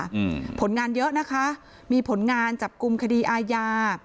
อืมผลงานเยอะนะคะมีผลงานจับกลุ่มคดีอาญา